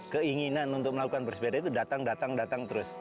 keinginan untuk melakukan bersepeda itu datang datang datang datang terus